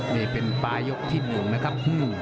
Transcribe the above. นี่เป็นปลายกที่๑นะครับ